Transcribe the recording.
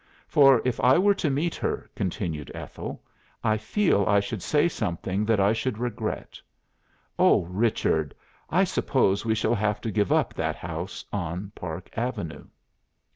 'For if I were to meet her,' continued Ethel, 'I feel I should say something that I should regret. Oh, Richard, I suppose we shall have to give up that house on Park Avenue!